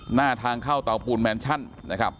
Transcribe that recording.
หน้าทางเข้าเตาปูนแมนชั่นนะครับ